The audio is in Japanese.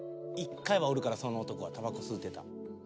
１回はおるからその男はタバコ吸うてた。